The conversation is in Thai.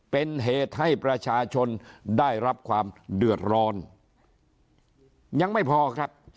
เป็นเหตุให้ประชาชนได้รับความเดือดร้อนยังไม่พอครับ